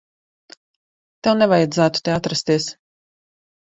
Tev nevajadzētu te atrasties.